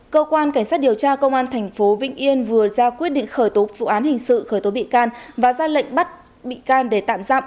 cơ quan cảnh sát điều tra công an tp vĩnh yên vừa ra quyết định khởi tố vụ án hình sự khởi tố bị can và ra lệnh bắt bị can để tạm giam